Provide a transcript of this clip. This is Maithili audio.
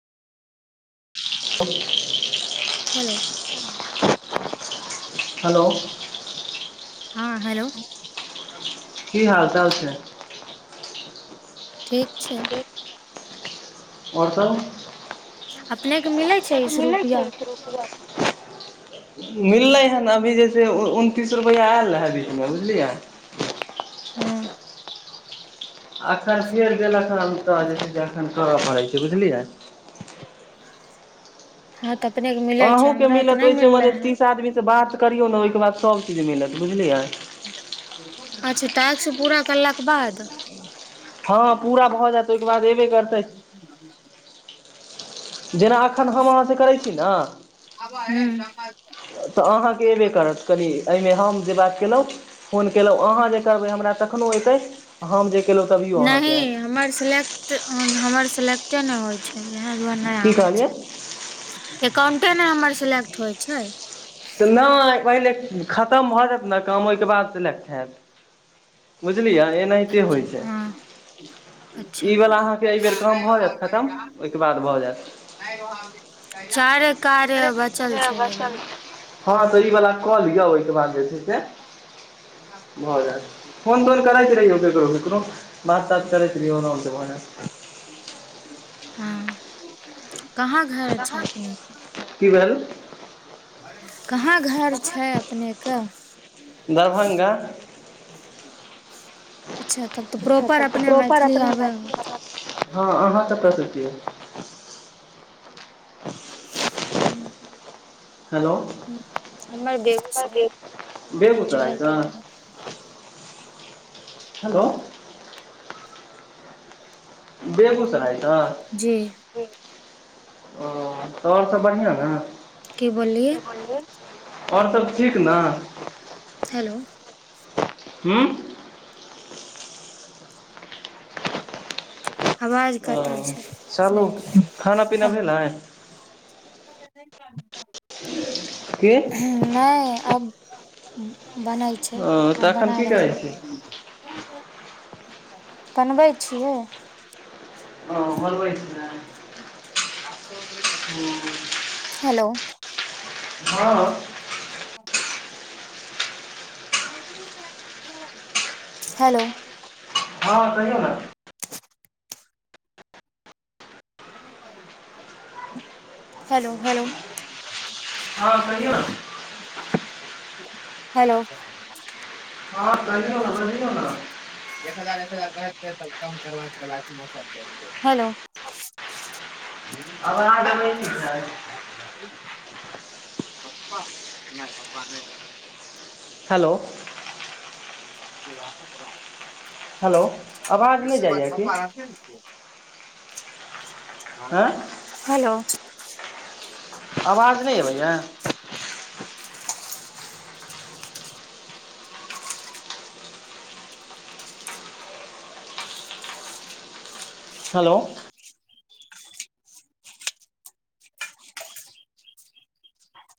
[unintelligible] हेलो। हेलो। हँ हेलो। की हाल चाल छै ठीक छै। ओर सब। अपने। मिलै छै इस रुपआ। मिललै हन ने अभी जैसे उनतीस रुपैआ आयल है बीचमे बुझलियै। हँ। आ कसर देलक। [unintelligible] कर पड़ै छै बुझलियै। ात। अहूँके मिलत ओहिसे मने है तीस आदमी से बात करियौ ने ओहिके बाद सबके मिलत लातीय बुझलियै। अच्छा टास्क पूरा करलाके बाद। हँ पूरा भऽ जायत ओहिके बाद अयबे करतै। जेना एखन हम अहाँसँ करै छी ने। ब। तऽ अहाँके अयबे करत कनि एहिमे हम जे बात केलहुँ फोन केलहुँ अहाँ जे करबै हमरा कखनो एतै हम जे। केलहुँ तभियो अहाँके नहि आयत हमर सिलेकटर। सेलेक्टे नहि होइ छै। इह दुआर नहि की आ कहलियै छै। अकाउंटे ने हम्बर सेलेक्ट होइ छै। तऽ नहि पहिल। खतम भऽ जायत ने काम ओहिके बाद। बुझलियै एनाहिते होइ छै हँ अच्छा ई वला अहाँके एहि बेर काम भऽ जायत खतम ओहिके बाद भऽ जायत। चार। कार्य बचल छै। त बला। कहलिया ओहिके बादै छै से। ब फोन तोर कर छै। य देखो। बात तात करै छी रिऔ न हो त मने हँ कहाँ घर छै अपनेके की भेल कहाँ घर छै अपनेके दरभ्ंगा अच्छा तब तऽ एक प्रॉपर अपने मैथिली आबै [unintelligible] प्रसति हू हेलो ह हमर बेगूसराय मंझौल बेगूसरायसँ के तरफ हेलो बेगूसराय तऽ जी ओ तऽ आओर सब बढ़िआँ ह ने की बोललियै आओरसभ ठीक ने हेलो ह्म आवाज ओ कटै छै चलू अपने के खाना पीना हेलो भेल ह की ओ नहि अब हू बनै छै तऽ आब एखन बनाय की करै छी रहलू बनबै छियै ओ भलब हेलो हँ ओ हेलो हँ कहियौ ने [unintelligible] हेलो हेलो हँ कहियौ हेलो हँ आठ सए हजार कहियौ न ने चौ बजियौ ने एक हजार क हो आवाज अबै छै ह पप्पा नहि पप्पा नहि रह हेलो स ब हेलो आवाज नहि जाइए की [inaudible] आँय हेलो आवाज नहि अयबैए हेलो